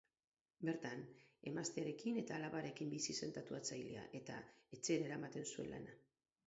Bertan emaztearekin eta alabarekin bizi zen tatuatzailea, eta etxera eramaten zuen lana.